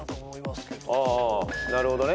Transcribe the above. なるほどね。